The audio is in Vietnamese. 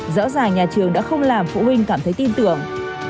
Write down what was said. rõ ràng nhà trường đã không làm phụ huynh cảm thấy tin tưởng